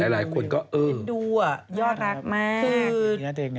หลายคนก็เออดูอ่ะยอดรักมาก